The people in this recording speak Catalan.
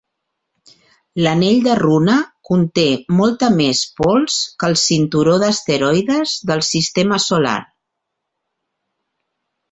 L'anell de runa conté molta més pols que el cinturó d'asteroides del sistema solar.